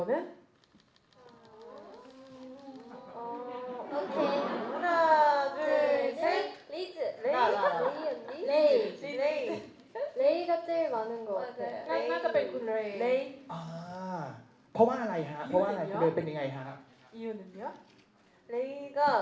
เรย์เรย์เรย์ก็เต็มมากนึงก่อน